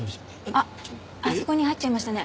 あそこに入っちゃいましたね。